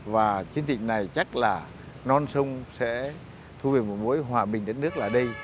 và chiến dịch này chắc là non sông sẽ thu về một mối hòa bình đất nước là đây